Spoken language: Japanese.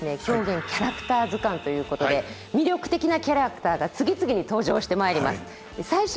「狂言キャラクター図鑑」ということで魅力的なキャラクターが次々に登場してまいります。